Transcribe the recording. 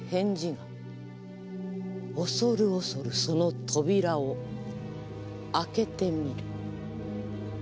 恐る恐るその扉を開けてみる。